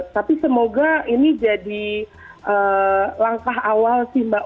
tapi semoga ini jadi langkah awal sih mbak